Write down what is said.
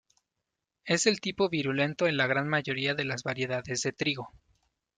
Es del tipo virulento en la gran mayoría de las variedades de trigo.